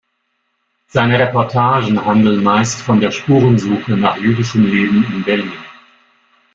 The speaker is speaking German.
Seine Reportagen handeln meist von der Spurensuche nach jüdischem Leben in Berlin.